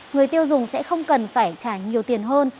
người tiêu dùng sẽ không cần phải trả nhiều tiền hơn